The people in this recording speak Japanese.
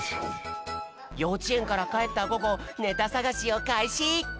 ようちえんからかえったごごネタさがしをかいし！